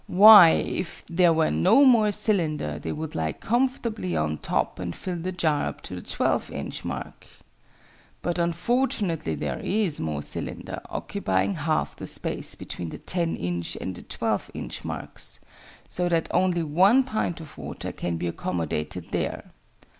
Why, if there were no more cylinder, they would lie comfortably on the top, and fill the jar up to the 12 inch mark. But unfortunately there is more cylinder, occupying half the space between the 10 inch and the 12 inch marks, so that only one pint of water can be accommodated there.